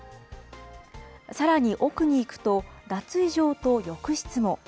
さらに奥に行くと、脱衣場と浴室も。